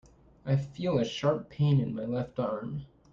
I feel a sharp pain in my left arm.